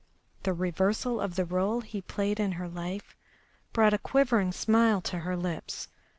The reversal of the role he played in her life brought a quivering smile to her lips.